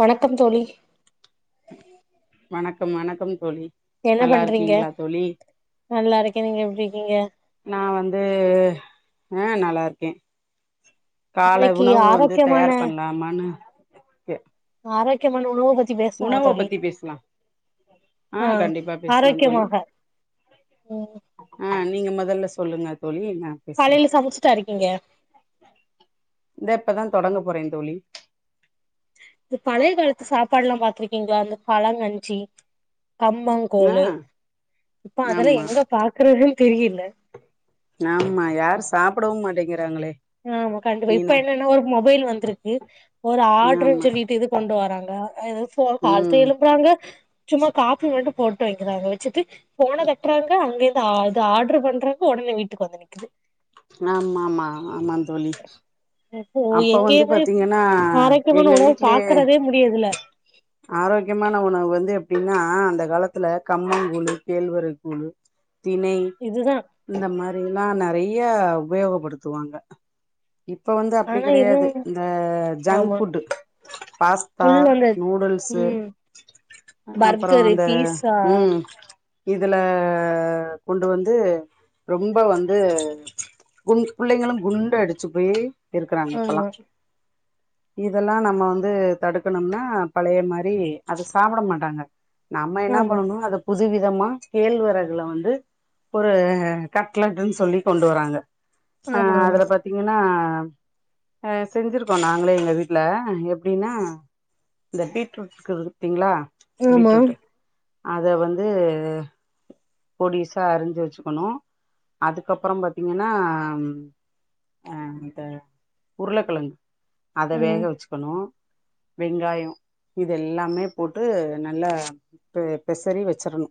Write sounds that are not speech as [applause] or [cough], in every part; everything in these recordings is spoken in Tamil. வணக்கம் தோழி வணக்கம் வணக்கம் தோழி என்ன நல்லா பண்றிங்க இருக்கீங்களா தோழி நல்லாருக்கே நீங்க எப்டி இருக்கிங்க நா வந்து ஆ நல்லாருக்கே கால இன்னைக்கு உணவு வந்து ஆரோக்கியமான தயார் பண்லாமானு கே ஆரோக்யமான உணவ ப உணவ பத்தி பேசலா ஆ கண்டிப்பா பேசலா தோழி ஆரோக்கியமாக ம் ஆ நீங்க மொ தல்ல சொல்லுங்க தோழி நா பேசறே காலையில சமைச்சுட்டா இருக்கீங்க இந்த இப்ப தா தொடங்க போறேன் தோழி இந்த பழைய காலத்து சாப்பாடலா பாத்திருக்கிங்ளா இந்த பழங்கஞ்சி ஆ கம்பங்கூளூ இப்ப அதெலா ஆமா எங்க பாக்கறதுன் தெரியில ஆமா யாரு சாப்படவு மாட்டேங் ஆமா கண்டிப்பா இப்ப என்னனா ஒரு மொபைல் வந்துருக்கு ஒரு ஆர்டர்னு ஆமா சொல்லிட்டு இது கொண்டு வாராங்க ஆ எதோ ஃபோ த்த ம் எழுப்புறாங்க சும்மா காஃபி மட்டு போட்டு வக்கிராங்க வச்சுட்டு ஃபோன தட்றாங்க அங்கேர்ந்து அது ஆடர் பண்றா ஒடனே வீட்டுக்கு வந்து நிக்குது ஆமா ஆமா ஆமா தோழி இப்போ அப்ப வந்து எங்கேயுமே பாத்திங்கனா ஆரோக்கியமான எங்க உணவு வீட்லயே பாக்குறதே முடியதுல ஆரோக்யமான உணவு வந்து எப்டினா அந்த காலத்துல கம்மங் கூழு கேழ்வரகு கூழு தினை இதுதா இந்த மாரில்லா நறை ய உபயோகப்படுத்துவாங்க இப்ப வந் ந்து அப்டி ஆனா இது கடையாது இந்த ஜங்க் ஆமா ஃபுட்டு பாஸ்தா ஃபுல் வந்து நூடுல்ஸு ம் அப்பற பர்கரு அந்த பீஸா ம் இதுல கொண்டு வந்து ரொம்ப வந்து குண் புள்ளைங்களு குண்டு அடிச்சு போய் இருக்கறாங்க இப்பல்லா ஆமா இதெல்லா நம்ம வந்து தடுக்கணும்னா பழய மாரி அத சாப்ட மாட்டாங்க நம்ம என்ன ஆமா பண்ணனு அத புது புதுவிதமா கேழ்வரகுல வந்து ஒரு கட்லட்ன்னு சொல்லி கொண்டு வராங்க அ ஆமா ஆமா அதுல பாத்தீங்கன்னா அ செஞ்சிருக்கோ நாங்களே எங்க வீட்ல எப்டின்னா இந்த பீட்ரூட்க்கு இருப்பீங்களா ஆமா பீட்ரூட்டு அத வந்து பொடிசா அரிஞ்சு வச்சுக்கணு அதுக்கப்பறம் பாத்தீங்கன்னா அ இந்த உருளக்கெழங்கு அத வேக ம் வச்சுக்கணு வெங்காயோ இத எல்லாமே போட்டு நல்லா பெ பெசறி வச்சிரணு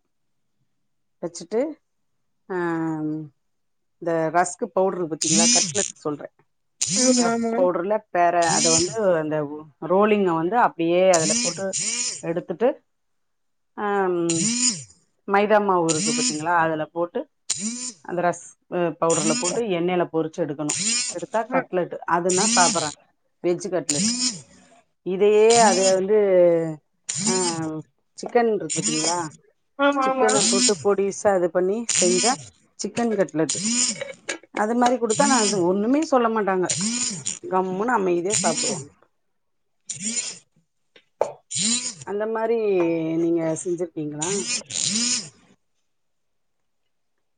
வச்சுட்டு அ இந்த ரஸ்குப் பவுடரு பத்தீங்களா கட்லெட் சொல்றே க ஆமா ஆமா பவுடர்ல பேர அத வந்து அந்த ரோலிங்க வந்து அப்டியே அதுல போட்டு எடுத்துட்டு ஆ ம் மைதாமாவு இருக்கு பாத் தீங்களா அதுல போட்டு அந்த ரஸ்க் பவுடர்ல போட்டு எண்ணெல பொறிச்சு எடுக்கணு எடுத்தா ஆ கட்லெட் அதுன்னா சாப்பறாங்க வெஜ் கட்லெட் இதையே அது வந்து ஆ சிக்கன் இருக்கு பாத்தீங்களா ஆமா ஆமா சிக்கன போட்டு பொடிசா அது பண்ணி செஞ்சா சிக்கன் கட்லெட்டு அது மாரி குடுத்தா நா அது ஒண்ணுமே சொல்ல மாட்டாங்க கம்முனுு அமைதியா சாப்டுவாங்க அந்த மாரி நீங்க செஞ்சிர்க்கீங்களா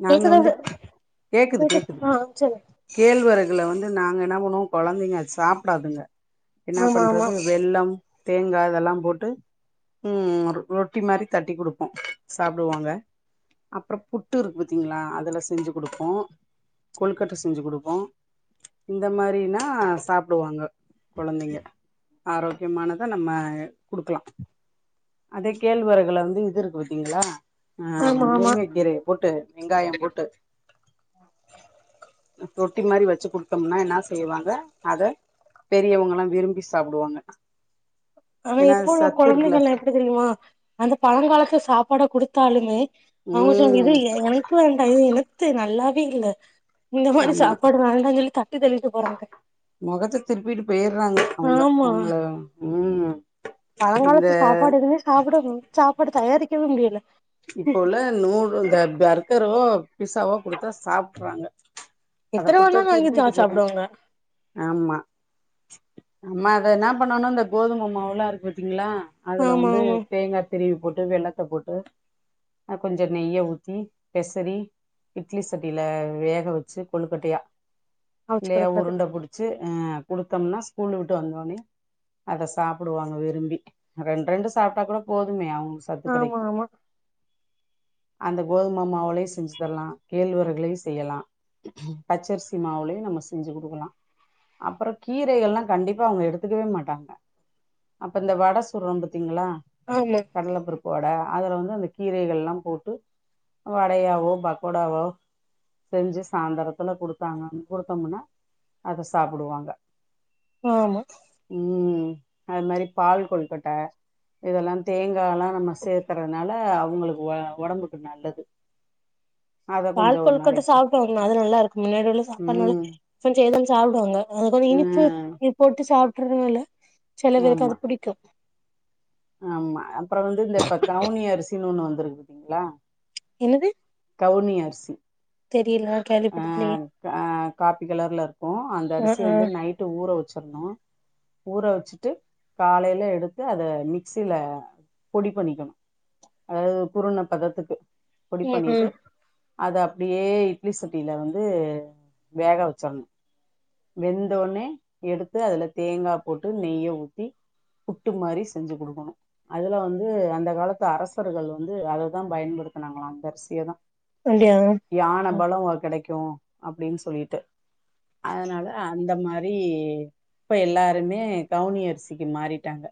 நாங்க வந்து கேக்குதா கேக்குது கேக்குது ஆ சொல்லு கேழ்வரகு இதுல வந்து நாங்க என்ன பண்ணுவோ கொழந்தைங்க அது சாப்டாதுங்க என்ன ஆமா ஆமா பண்றது வெல்லம் தேங்கா இதெல்லா போட்டு ம் ரொட்டி மாரி தட்டி குடுப்போம் சாப்டுவாங்க அப்பறம் புட் புட்டு இருக்கு பாத்தீங்களா அதுல செஞ்சு குடுப்போ கொல்கட்டை செஞ்சு குடுப்போ இந்த மாரினா சாப்டுவாங்க கொழந்தைங்க ஆரோக்கியமானத நம்ம குடுக்கலா அதே கேழ்வறகுல வந்து இது இருக்கு பாத்தீங்களா ஆ ஆமா ஆமா முருங்க கீரைய போட்டு வெங்காய போட்டு ரொட்டி மாரி வச்சு குடுத்தம்னா என்ன செய்வாங்க அத பெரியவங்கல்லா விரும்பி சாப்பிடுவாங்க ஆனா எப்போ குழந்தைகள்லா எப்டி தெரியுமா அந்த பழங்காலத்து சாப்பாட குடுத்தாலுமே அவங்க சொன்ன ம் இது எனக்கு வேண்டா இது என்னத்து நல்லாவே இல்ல இந்த மாரி ஆமா சாப்பாடு வேண்டா சொல்லி தட்டி தள்ளிட்டு போறாங்க முகத்த திருப்பிட்டு போய்றாங்க அவங்க ஆமா அவங்கள ம் இந்த பழங்காலத்து சாப்பாடு எதுமே சாப்பிட சாப்பாடு தயாரிக்கவே முடியல இப்ப உள்ள நூறு இந்த பர்கரோ பிஸாவோ குடுத்தா சாப்ட்றாங்க அத எத்தன குடுத்தா வேணாலு வாங்கி சா திருப்பிட்டு போய்றாங்க சாப்டுவாங்க ஆமா நம்ம அத என்ன பண்ணானும் இந்த கோதும மாவுல்லா இருக்கு பாத்தீங்களா அதுல ஆமா வந்து ஆமா தேங்கா திருவி போட்டு வெல்லத்த போட்டு கொஞ்ச நெய்ய ஊத்தி பெசறி இட்லி சட்டியில வேக வச்சி கொழுக்கட்டையா அவிச்சு இல்லையா குடுக்கறது உருண்ட புடிச்சி ஆ குடுத்தம்னா ஸ்கூலுவுட்டு வந்தோனே அத சாப்டுவாங்க விரும்பி ரெண் ரெண்டு சாப்ட்டா கூட போதுமே அவுங்ளுக்கு சத்து ஆமா கெடைக்கு ஆமா அந்த கோதுமமாவுளை செஞ்சி தர்லா கேழ்வரகுலயு செய்லா பச்சரிசி மாவுலயு நம்ப செஞ்சி குடுக்கலா அப்றோ கீரைகள்லா கண்டிப்பா அவங்க எடுத்துக்கவே மாட்டாங்க அப்ப இந்த வட சுட்றோ பாத் தீங்களா ஆமா கடல பருப்பு வட அதுல வந்து அந்த கீரைகள்லா போட்டு வடையாவோ பக்கோடாவோ செஞ்சி சாய்ந்தரத்துல குடுத்தாங்கு குடுத்தம்னா அத சாப்டுவாங்க ஆமா அது மாரி பால் கொழுகட்ட இதெல்லா தேங்காலா நம்ப சேத் அதனால அவுங்ளுக்கு ஒடம்புக்கு நல்லது அதை பால் கொஞ்சம் ஒரு கொல்கட்ட நாளைக்கு சாப்டுவாங்க அது நல்லாருக்குமே அதனால சாப்பலால ம் செஞ்சா எல்லா சாப்டுவாங்க அது இனிப்பு ம் போட்டு சாப்ட்றதுனால சில பேருக்கு ஆமா அது புடிக்கு ஆமா அப்றோ வந்து இந்த இப்ப கவுனி அரிசினு ஒன்னு வந்துருக்கு பாத்தீங்களா என்னது பொன்னி அரிசி தெரியல நா அ கேள்விப்பட்டதில்லையே அ காப்பி கலர்ல இருக்கு அந்த ஆ அரிசிய ஆ வந்து நைட்டு ஊற வச்சர்னு ஊற வச்சிட்டு காலைல எடுத்து அத மிக்சில பொடி பண்ணிக்கனு அதாது குருன பதத்துக்கு பொடி ம் பண்ணிட்டு ம் அத அப்டியே இய்ய சட்டில வந்து வேகா வச்சர்னு வெந்தோனே எடுத்து அதுல தேங்கா போட்டு நெய்ய ஊத்தி புட்டு மாரி செஞ்சு குடுக்கனு அதுல வந்து அந்த காலத்து அரசர்கள் வந்து அததா பயன்படுத் தினாங்களா அந்த அரிசிய தா அப்டியா யான பலோ கெடைக்கு அப்டின்னு சொல்லிட்டு அதனால அந்த மாரி இப்ப எல்லாருமே கவுனி அரிசிக்கு மாறிட்டாங்க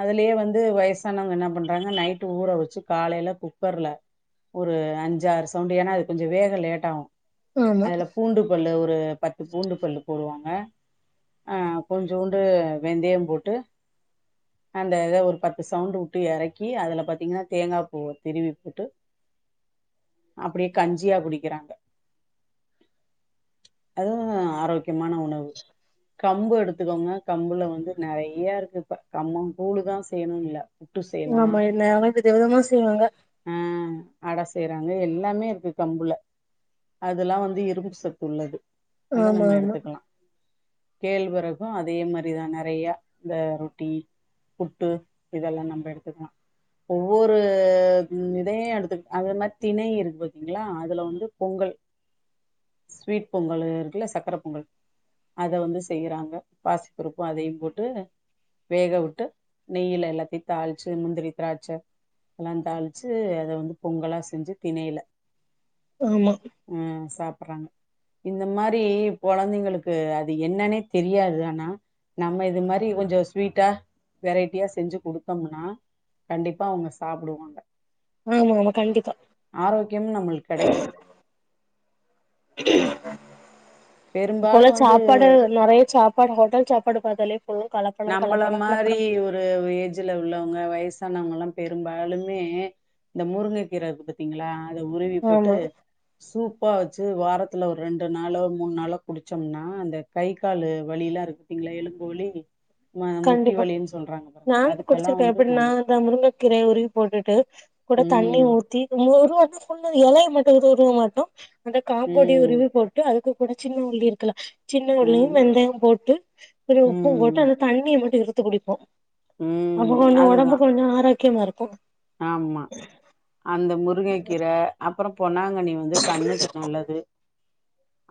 அதுலயே வந்து வயசானவங்க என்னா பண்றாங்க நைட்டு ஊற வச்சி காலைல குக்கர்ல ஒரு அஞ்சாறு சவுண்டு ஏனா அது கொஞ்சோ வேக லேட்டாவு ஆமா அதுல பூண்டு பல்லு ஒரு பத்து பூண்டு பல்லு போடுவாங்க ஆ கொஞ்சூண்டு வெந்தியம் போட்டு அந்த இத ஒரு பத்து சவுண்ட் வுட்டு எறக்கி அதுல பாத்தீங்கன்னா தேங்கா பூ திருவி போட்டு [inaudible] அப்டியே கஞ்சியா குடிக்கிறாங்க [inaudible] அதுவு ஆரோக்கியமான உணவு கம்பு எடுத்துக்கோங்க கம்புல வந்து நெறையா இருக்கு இப்ப கம்மங் கூளுதா செய்யனு இல்ல புட்டு செய்யலா ஆமா என்ன வித விதமா செய்வாங்க ஆ அட செய்றாங்க எல்லாமே இருக்கு கம்புல அதுலா வந்து இரும்பு சத்து உள்ளது அத ஆமா நம்ப ஆமா எடுத்துக்லா கேழ்வறகு அதே மாரிதா நெறையா இந்த ரொட்டி புட்டு இதெல்லா நம்ப எடுத்துக்லா ஒவ்வொரு இதையு எடுத்து அது என்ன திணை இருக்கு பாத்தீங்களா அதுல வந்து பொங்கல் ஸ்வீட் பொங்கலு இருக்குல சக்கர பொங்கல் அத வந்து செய்யறாங்க பாசி பருப்பு அதையு போட்டு வேக வுட்டு நெய்யில எல்லாத்தையு தாளிச்சி முந்திரி திராட்ச அதல்லா தாளிச்சி அத வந்து பொங்கலா செஞ்சி திணையில ஆமா ம் சாப்பறாங்க இந்த மாரி கொலந்தைங்களுக்கு அது என்னனே தெரியாது அனா நம்ம இது மாரி கொஞ்சொ ஸ்வீட்டா வெரைட்டியா செஞ்சு குடுத்தம்னா கண்டிப்பா அவுங்க சாப்புடுவாங்க ஆமா ஆமா கண்டிப்பா ஆரோக்கியம் நம்மளுக்கு கெடைக்கு [unintelligible] இப்போல பெரும்பாலு வந்து சாப்பாடு நிறய சாப்பாடு ஹோட்டல் சாப்பாடு பாத்தாலே போது கலப்படம் நம்பள கலப்படம் மாரி கலப்படம் ஒருவ் ஏஜ்ல உள்ளவ்ங்க வயஸ் தன்னவங்கலா பெரும்பாலுமே இந்த முருங்க கீரர்க்கு பத்தீங்ளா அத உருவி போட்டு ஆமா சூப் போ வச்சு வாரத்துல ஒர் ரெண்டு நாளோ மூணு நாளோ குடிச்சம்னா அந்த கை காலு வலிலா இருக் பிங் லைலு கோலி கண்டிப்பா நாளக்கி அதுக்கெல்லா குடிச்சிருக்க வந்து எப்பிட்னா நல்லது தா முருங்கக்கீரய உருவி போட்டுட்டு கூட ம் தண்ணி ஊத்தி [unintelligible] எலைய மட்டு உது உதுவ மாட்டோ அந்த காம்போடிய ம் உருவி போட்டு அதுக்கு கூட சின்ன உள்ளி இருக்குல சின்ன உள்ளியு ம் வெந்தயொ போட்டு துளி உப்பு போட்டு ம் அந்த தண்ணிய மட்டு இருத்து குடிப்போ அப்ப ம் கொஞ்சொ ஒடம்பு அதுதா கொஞ்சொ ஆரோக்யமா இருக்கு ஆமா அந்த முருங்ககீர அப்பரொ பொ ங்கணி வந்து கண்ணுக்கு நல்லது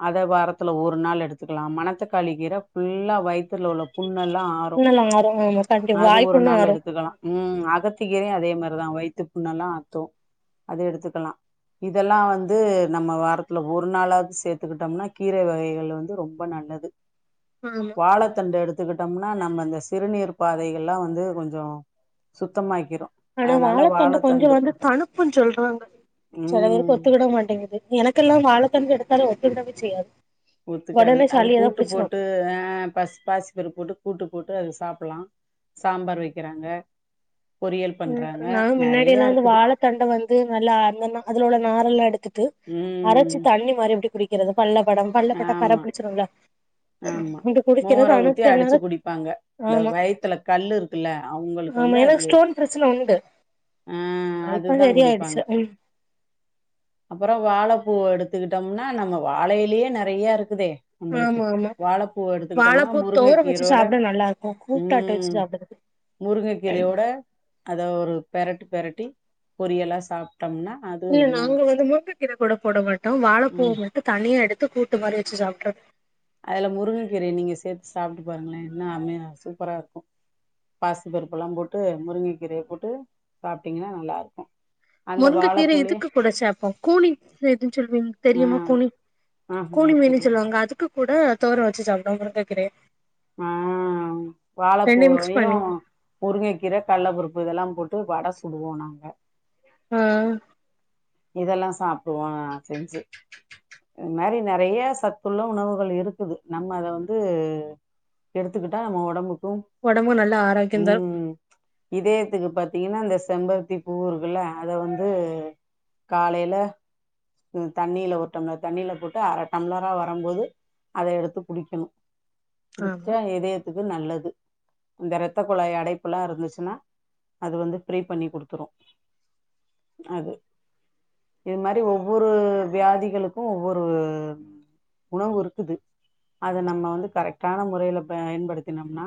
அத வாரத்துல ஒரு நாள் எடுத்துக்கலா மனத்தக்காளிக்கீர ஃபுல்லா வைத் தில்ல உள்ள புண் எல்லா ஆறு நல்லா ஆறு ஆமா கண்டிப்பா அது வாய் ஒரு புண்ணு நாள் ஆறு எடுத்துக்கலா ம் அகத் தி கீரயு அதே மர் தா வய்த்து புண்ணலா ஆத்து அது எடுத்துக்கலா இதல்லா வந்து நம்ம வாரத்துல ஒரு நாளாது சேத்துக்கிட்டம்னா கீரை வகைகள் வந்து ரொம்ப நன் இன்னது ஆமா வாழைத்தண்டு எடுத் துகுட்டம்னா நம்ம இந்த சிறுநீர் பாதகள்லா வந்து கொஞ்சொ சுத்தமாக்கிரு ஆனா அதனால வாழைத்தண்டு கொஞ்ச வாழத்தண்டு வந்து தணப்புன் சொல்றாங்க செல வேருக்கு ம் ஒத்துக்குட மாட்டேங்கிது எனக்கெல்லா வாழைத்தண்டு எடுத்தாலே ஒத்துக்குடவே செய்யாது ஒத்துக்காது ஒடனே அது சளி ஏதோ கூட்டு புடிச்சிரு போட்டு அ பஸ் பாசிப்பருப்போட்டு கூட்டு போட்டு அது சாப் ப்லா சாம்பார் வெக்கிறாங்க ம் நா மின்னாடி எல்லா இந்து வாழைத்தண்ட வந்து நல்லா அந்தன்னா அதுல உள்ள நாரல்லா எடுத்துட்டு அரச்சு ம் தண்ணி மாரி எப்டி குடிக்கிறது பல்லக்கட பல்ல பட்டா கர ஆமா பிடிச்சிருல்ல ஆமா மோர ஊத்தி அடுச்சு குடிப்பாங்க இந்த ஆமா வயித்துல கல்லு இருக்குல்ல அவுங்களுக் ஆமா எனக் ஸ்டோன் ப்ரச்சன உண்டு ஆ இப்ப சரி ஆயிடுச்சு ம் அப்பற வாழைப்பூவ எடுத்துக்கிட்டம்னா நம்ம வாழைலியே நறைய இருக்குதே அம்பளுக்கு ஆமா ஆமா வாழைப்பூவ எடுத்துக்கிட்டம்னா வாழைப்பூ தோரம் வச்சு முருங்ககீரோட சாப்ட நல்லா இருக்கு கூட்டாட்ட வச்சு ம் சாப்டுறது முருகக்கீரயோட அத ஒரு பெரட்டு பெரட்டி பொரியலா சாப் இல்ல நாங்க வந்து முங்க கீர கூட போட மாட்டோ வாழப்பூவ ம் மட்டு தனியா எடுத் து கூட்டு மாரி வச்சு சாப்ட்றது அதுல முருங்கக்கீரய நீங்க சேத்து சாப்ட்டு பாருங்ளே இன்னு அம்மயா சூப்பரா இருக்கு பாசிபருப்புலா போட்டு முருங்கக்கீரய போட்டு சாப்ட்டீங்கனா நல்லாருக்கு முருங்க கீர இதுக்கு கூட சேப்போ கூலி எதுன் சொல்வீங் ஆ தெரியுமா கூனி ஆஹா கூலி எனக்கு மீனி தெரியு சொல்லுவாங்க அதுக்கு கூட தோர வச்சு சாப்ட்டோ முருங்கக்கீரய ஆ ரெண்டையு மிக்ஸ் வாழைப்பூவயு பண்ணி முருங்கக்கீர கல்லப்பருப்பு இதல்லா போட்டு டு வட சுடுவோ நாங்க அ இதல்லா சாப்டுவோ நா செஞ்சு இத் மேரி நறைய சத்துள்ள உணவுகள் இருக்குது நம்ம அத வந்து எடுத்துக்குட்டா நம்ம ஒடம்புக்கு ஒடம்புக்கு நல்ல ஆரோக்கியம் தரு ம் இதேத்துக்கு பத் தீங்கனா அந்த செம்பர்த்தி பூ இருக்குல அத வந்து காலைல தண்ணில ஒரு டம்ளர் தண்ணில போட்டு அர டம்ளரா வரம்போது அத எடுத்து குடிக்கிணு ஆமா குடுச்சா இதயத்துக்கு நல்லது இந்த ரத்த குழாய் அடைப்புல்லாம் இருந்துச்சுன்னா அது வந்து ஃப்ரீ பண்ணி குடுத்துரும் அது இது மாதிரி ஒவ்வொரு வியாதிகளுக்கும் ஒவ்வொரு உணவு இருக்குது அத நம்ம வந்து கரெக்டான முறையில பயன்படுத்தினோம்னா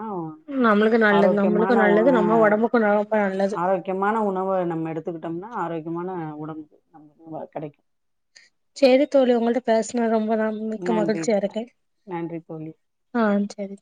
நம்மளுக்கு நல்லது ஆரோக்கியமான நம்மளுக்கு உண நல்லது நம்ம ஒடம்புக்கு ரொம்ப நல்லது ஆரோக்கியமான உணவ நம்ம எடுத்து கத்துக்கிட்டோம்னா ஆரோக்கியமான உடம்பு நம்மளுக்கு கிடைக்கும் சேரி தோழி உங்கள்ட பேசுன ரொ நா மிக்க நன்றி மகிழ்ச்சியா இருக்கேன் நன்றி தோழி ஆஹ் சேரி